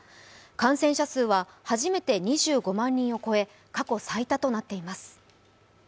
感染者数は初めて２５万人を超え過去最多となっています。